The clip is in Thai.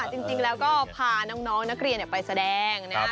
จริงแล้วก็พาน้องนักเรียนไปแสดงนะครับ